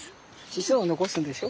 子孫を残すんでしょ？